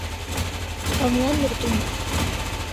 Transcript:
هەموویان مردوون.